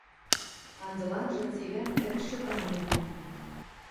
Анзыланжы цилӓн тӹнгшӹ ганьы лит.